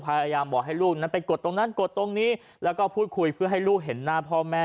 พยายามบอกให้ลูกนั้นไปกดตรงนั้นกดตรงนี้แล้วก็พูดคุยเพื่อให้ลูกเห็นหน้าพ่อแม่